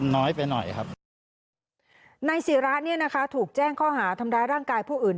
นายศิระนี่นะคะถูกแจ้งข้อหาทำร้ายร่างกายผู้อื่น